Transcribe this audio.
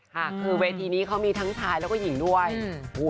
ค่ะคือเวทีนี้เขามีทั้งชายแล้วก็หญิงด้วยอืม